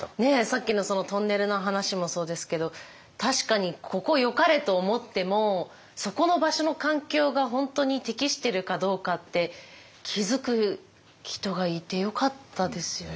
さっきのトンネルの話もそうですけど確かにここよかれと思ってもそこの場所の環境が本当に適してるかどうかって気付く人がいてよかったですよね。